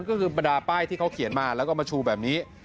ก็คือบรรดาป้ายที่เขาเขียนมาแล้วก็มาชูแบบนี้